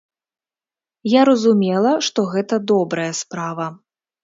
Я разумела, што гэта добрая справа.